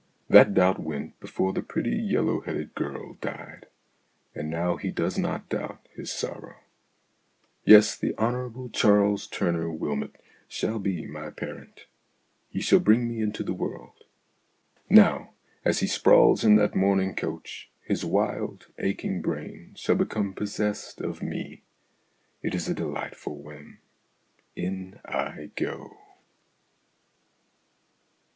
That doubt went before the pretty yellow headed girl died. And now he does not doubt his sorrow. Yes, the Hon. Charles Tumour Wylmot shall be my parent. He shall bring me into the world. Now, as he sprawls in that mourning coach, his wild, aching brain shall become possessed of me. It is a delightful whim. In I go.